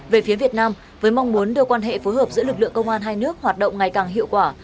về phía việt nam với mong muốn đưa quan hệ phối hợp giữa lực lượng công an hai nước hoạt động ngày càng hiệu quả